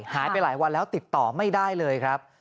หายไปหลายวันแล้วติดต่อไม่ได้เลยครับ